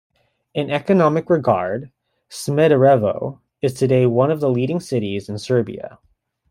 In economic regard, Smederevo is today one of the leading cities in Serbia.